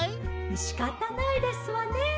「しかたないですわねえ。